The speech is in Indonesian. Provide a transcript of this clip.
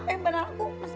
kalau loncat kayak gimana